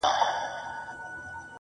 o واه واه، خُم د شرابو ته راپرېوتم، بیا.